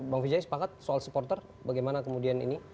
bang vijay sepakat soal supporter bagaimana kemudian ini